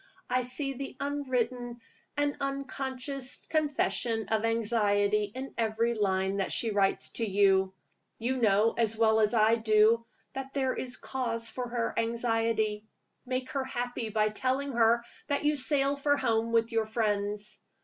"I see the unwritten and unconscious confession of anxiety in every line that she writes to you. You know, as well as I do, that there is cause for her anxiety. Make her happy by telling her that you sail for home with your friends.